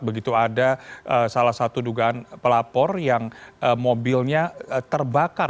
begitu ada salah satu dugaan pelapor yang mobilnya terbakar